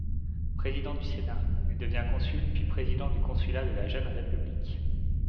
Président du Sénat, il devient consul puis président du consulat de la jeune république.